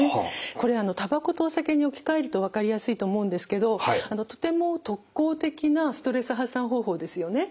これたばことお酒に置き換えると分かりやすいと思うんですけどとても特効的なストレス発散方法ですよね。